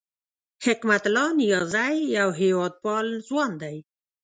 حکمت الله نیازی یو هېواد پال ځوان دی